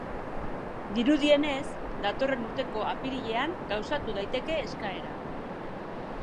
Dirudienez, datorren urteko apirilean gauzatu daiteke eskaera.